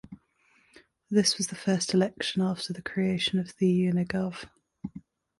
This was the first election after the creation of the Unigov.